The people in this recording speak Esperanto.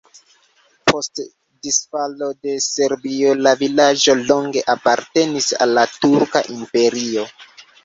Post disfalo de Serbio la vilaĝo longe apartenis al la Turka Imperio.